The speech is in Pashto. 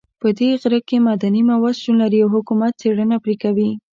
په دې غره کې معدني مواد شتون لري او حکومت څېړنه پرې کوي